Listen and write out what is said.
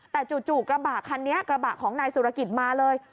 แต่จู่กระบะคันนี้กระบะของนายสุรกิจมาเลย